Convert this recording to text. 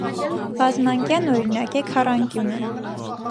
Բազմանկյան օրինակ է քառանկյունը։